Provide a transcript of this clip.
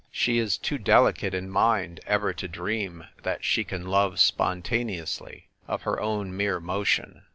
She is too delicate in mind ever to dream that she can love spontaneously, of her own mere motion.